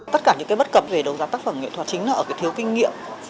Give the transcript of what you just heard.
tất cả những bất cập về đấu giá tác phẩm nghệ thuật chính là thiếu kinh nghiệm